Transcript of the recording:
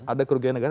ada kerugian negara